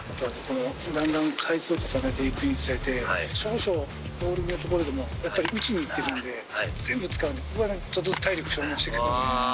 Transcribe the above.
だんだん回数を重ねていくにつれて、少々ボール球のところでもやっぱり打ちにいってるんで、全部使うので、ちょっとずつ体力を消耗していく。